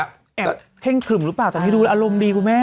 อยากจะแอบเฮ่งขึ่มหรือเปล่าแต่ที่ดูละอารมณ์ดีกูแม่